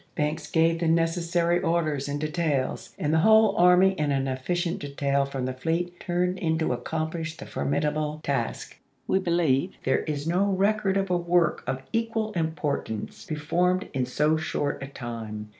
Banks gave the necessary orders and details, and the whole army and an efficient detail from the fleet turned in to accomplish the formidable task.^ We believe there is no record of a work of equal importance performed in so short a time.